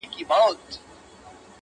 زه به د غم تخم کرم ژوندی به یمه.!